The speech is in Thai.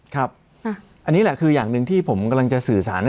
ครับอันนี้แหละคืออย่างหนึ่งที่ผมกำลังจะสื่อสาร